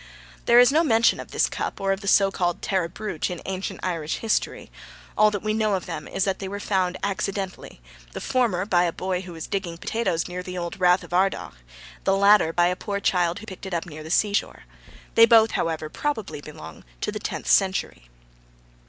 There is no mention of this cup, or of the so called Tara brooch, in ancient Irish history. All that we know of them is that they were found accidentally, the former by a boy who was digging potatoes near the old Rath of Ardagh, the latter by a poor child who picked it up near the seashore. They both, however, belong probably to the tenth century.